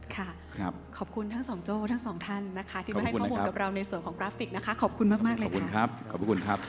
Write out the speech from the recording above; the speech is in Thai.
ค่ะครับขอบคุณทั้งสองโจ้ทั้งสองท่านนะคะขอบคุณนะครับที่มาให้ข้อมูลกับเราในส่วนของนะคะขอบคุณมากมากเลยค่ะขอบคุณครับ